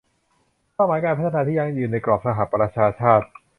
เป้าหมายการพัฒนาที่ยั่งยืนในกรอบสหประชาชาติ